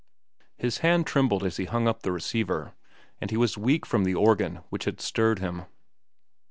His hand trembled as he hung up the receiver, and he was weak from the organ which had stirred him.